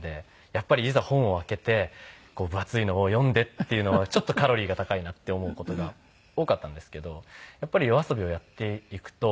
やっぱりいざ本を開けて分厚いのを読んでっていうのはちょっとカロリーが高いなって思う事が多かったんですけどやっぱりＹＯＡＳＯＢＩをやっていくと。